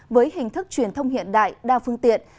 với hình thức truyền thông hiện đại đa phương tiện